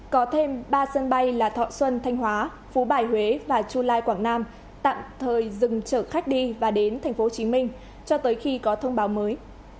có thêm ba sân bay là thọ xuân thanh hóa phú bài huế và chu lai quảng nam tạm thời dừng chở khách đi và đến tp hcm cho tới khi có thông báo mới